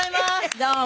どうも。